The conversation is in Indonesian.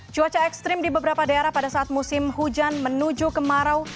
cuaca ekstrim di beberapa daerah pada saat musim hujan menuju kemarau